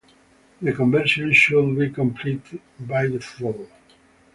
The conversion should be complete by the fall.